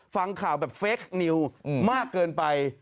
ฟังข่าวแบบเฟคนิวมากเกินไป